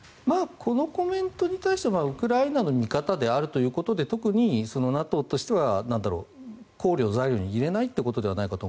このコメントに対してウクライナの見方であるということで特にＮＡＴＯとしては考慮の材料に入れないということではないかと。